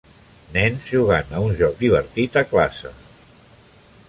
Nens jugant a un joc divertit a classe